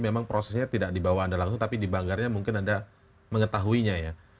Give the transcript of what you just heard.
memang prosesnya tidak dibawa anda langsung tapi di banggarnya mungkin anda mengetahuinya ya